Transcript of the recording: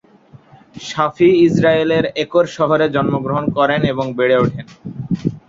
শাফি ইজরায়েলের একর শহরে জন্মগ্রহণ করেন এবং বেড়ে ওঠেন।